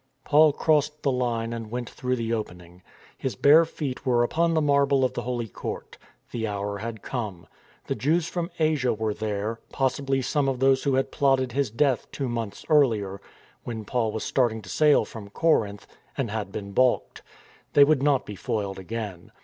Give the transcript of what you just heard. Paul crossed the line and went through the open ing. His bare feet were upon the marble of the holy court. The hour had come. The Jews from Asia were there, possibly some of those who had plotted his death two months earlier, when Paul was starting to sail from Corinth, and had been baulked. They would not be foiled again.